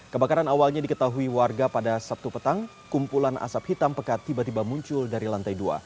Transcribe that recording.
kebakaran awalnya diketahui warga pada sabtu petang kumpulan asap hitam pekat tiba tiba muncul dari lantai dua